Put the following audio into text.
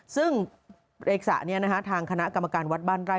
ซึ่งเลขศะนี้ทางคณะกรรมการวัดบ้านไร่